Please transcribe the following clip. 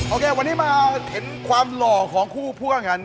โอเควันนี้มาเห็นความหล่อของคู่ผู้การัน